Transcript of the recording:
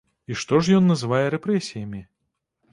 І што ж ён называе рэпрэсіямі?